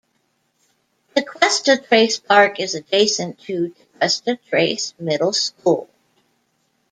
Tequesta Trace Park is adjacent to Tequesta Trace Middle School.